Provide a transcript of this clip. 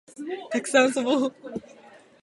たくさん遊ぼう